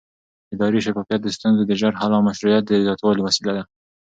اداري شفافیت د ستونزو د ژر حل او مشروعیت د زیاتوالي وسیله ده